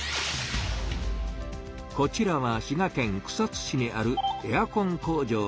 こちらは滋賀県草津市にあるエアコン工場です。